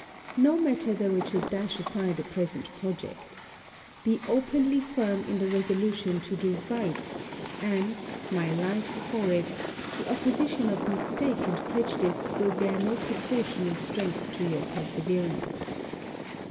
No matter though it should dash aside a present project. Be openly firm in the resolution to do right, and, my life for it, the opposition of mistake and prejudice will bear no proportion in strength to your perseverance.